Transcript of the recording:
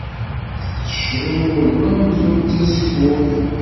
Tettecrurud amzun d tasekkurt.